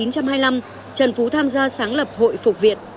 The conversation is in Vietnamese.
năm một nghìn chín trăm hai mươi năm trần phú tham gia sáng lập hội phục viện